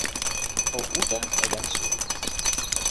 o uta e jan suwi.